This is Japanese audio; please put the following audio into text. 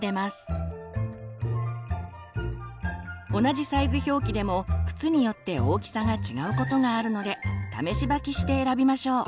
同じサイズ表記でも靴によって大きさが違うことがあるので試し履きして選びましょう。